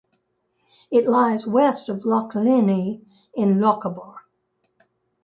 It lies west of Loch Linnhe in Lochaber.